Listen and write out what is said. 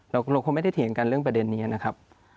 เราคงไม่ได้เถียงกันเรื่องประเด็นนี้นะครับ